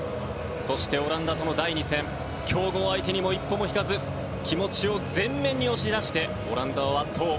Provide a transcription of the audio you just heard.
そして、オランダとの第２戦強豪相手にも一歩も引かず気持ちを前面に押し出してオランダを圧倒。